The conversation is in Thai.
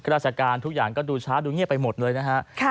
ราชการทุกอย่างก็ดูช้าดูเงียบไปหมดเลยนะฮะ